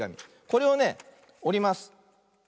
これをねおります。